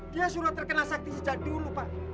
dia sudah terkena sakti sejak dulu pak